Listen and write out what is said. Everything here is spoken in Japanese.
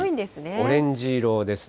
オレンジ色ですね。